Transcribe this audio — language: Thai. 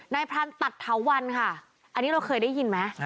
พรานตัดเถาวันค่ะอันนี้เราเคยได้ยินไหม